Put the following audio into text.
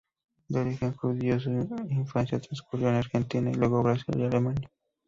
De origen judío, su infancia transcurrió en Argentina y luego Brasil y Alemania.